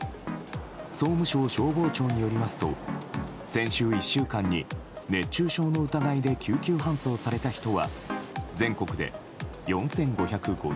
総務省消防庁によりますと先週１週間に、熱中症の疑いで救急搬送された人は全国で４５５１人。